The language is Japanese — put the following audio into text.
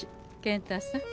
健太さん